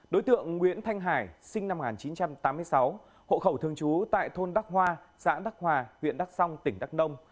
đối tượng nguyễn thanh hải sinh năm một nghìn chín trăm tám mươi sáu hộ khẩu thường trú tại thôn đắc hoa xã đắc hòa huyện đắk song tỉnh đắk nông